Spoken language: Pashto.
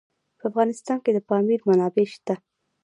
په افغانستان کې د پامیر منابع شته.